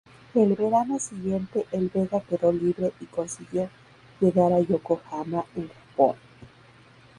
El verano siguiente el Vega quedó libre y consiguió llegar a Yokohama, en Japón.